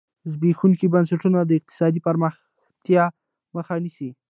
زبېښونکي بنسټونه د اقتصادي پراختیا مخه نیسي.